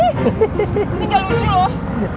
ini gak lucu loh